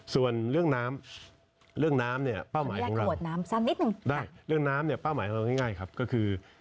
ส่วนเรื่องน้ำเรื่องน้ำเป้าหมายของเราก็คือ